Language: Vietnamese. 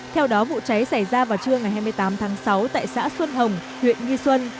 theo đó vụ cháy xảy ra vào trưa ngày hai mươi tám tháng sáu tại xã xuân hồng huyện nghi xuân